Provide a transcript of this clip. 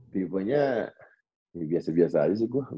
tipenya biasa biasa aja sih gue